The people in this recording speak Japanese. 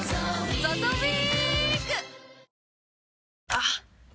あっ！